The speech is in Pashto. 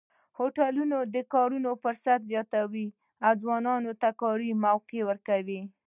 هوټلونه د کار فرصتونه زیاتوي او ځوانانو ته کاري موقع ورکوي.